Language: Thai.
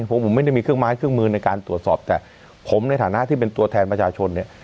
ผมไม่ได้มีเครื่องไม้เครื่องมือในการตรวจสอบแต่ผมในฐานะที่เป็นตัวแทนประชาชนเนี่ย